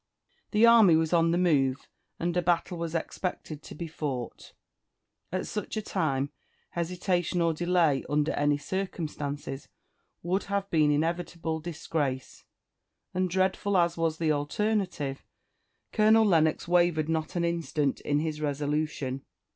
The army was on the move, and a battle was expected to be fought. At such a time hesitation or delay, under any circumstances, would have been inevitable disgrace; and, dreadful as was the alternative, Colonel Lennox wavered not an instant in his resolution.